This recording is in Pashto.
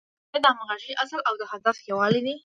لومړی د همغږۍ اصل او د هدف یووالی دی.